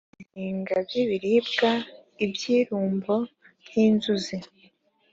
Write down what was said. ibizinga by ibiribwa iby’ irumbo ry inzuki.